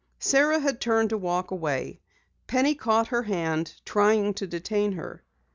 Sara had turned to walk away. Penny caught her hand, trying to detain her.